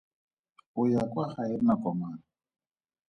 O ya kwa gae nako mang?